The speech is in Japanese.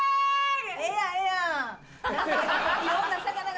ええやんええやん。